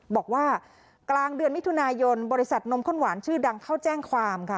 บอกว่ากลางเดือนมิถุนายนบริษัทนมข้นหวานชื่อดังเข้าแจ้งความค่ะ